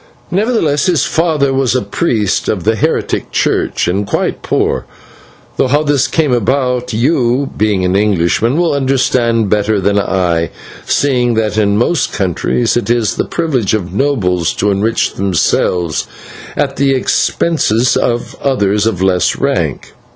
Nevertheless, his father was a priest of the heretic church and quite poor, though, how this came about, you, being an Englishman, will understand better than I, seeing that in most countries it is the privilege of nobles to enrich themselves at the expense of others of less rank.